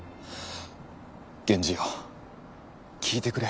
源氏よ聞いてくれ。